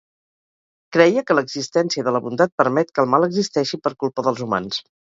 Creia que l'existència de la bondat permet que el mal existeixi per culpa dels humans.